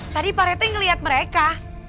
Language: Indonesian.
tadi pak reti ngeliat mereka